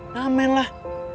nah amin lah